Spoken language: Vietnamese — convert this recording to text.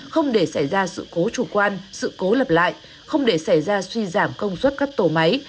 không để xảy ra sự cố chủ quan sự cố lập lại không để xảy ra suy giảm công suất các tổ máy